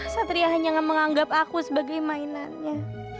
satria hanya menganggap aku sebagai mainannya